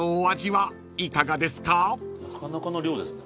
なかなかの量ですね。